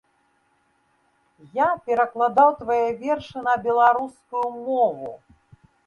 Я перакладаў твае вершы на беларускую мову!